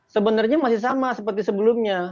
sebenarnya masih sama seperti sebelumnya